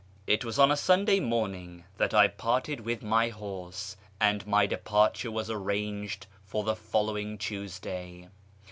It was on Sunday morning that I parted with my horse, and my departure was arranged for the following Tuesday.